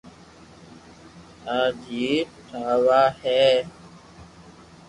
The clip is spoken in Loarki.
آج ھي ٺاوا ھي